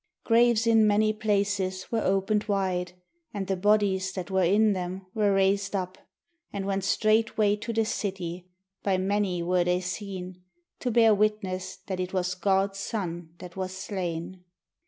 Graves in many places were opened wide, And the bodies that were in them were raised up, And went straightway to the city by many were they seen To bear witness that it was God's Son that was slain.